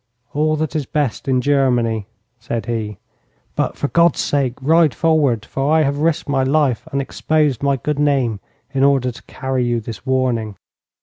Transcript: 'All that is best in Germany,' said he. 'But for God's sake ride forwards, for I have risked my life and exposed my good name in order to carry you this warning.'